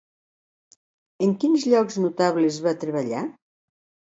En quins llocs notables va treballar?